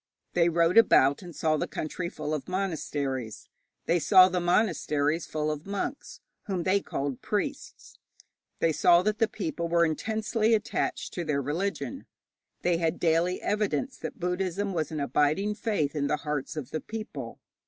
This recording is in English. They rode about and saw the country full of monasteries; they saw the monasteries full of monks, whom they called priests; they saw that the people were intensely attached to their religion; they had daily evidence that Buddhism was an abiding faith in the hearts of the people.